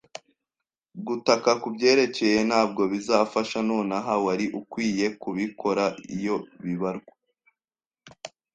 Gutaka kubyerekeye ntabwo bizafasha nonaha. Wari ukwiye kubikora iyo bibarwa